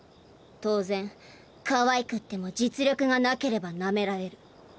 当然かわいくっても実力がなければなめられる。